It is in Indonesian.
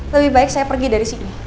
lebih baik saya pergi dari sini